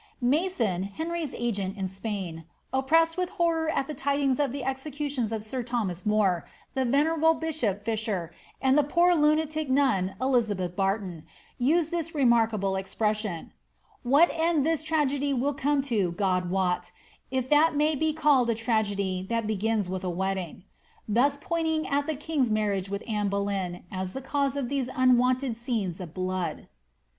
Mason, Henry's agent in Spain, oppressed with horror at the tidings of the executions of sir Tiiomas More, the venerable bishop Fisher, aod the poor lunatic nun Elizabeth Barton, used this remarkable expression, ^ What end tliis tragedy will come to God wot, if that may be called a tragedy that begins with a wedding ;"* thus, pointing at the king's mar riage with Anne Boleyn as the cause of these unwonted scenes of blood.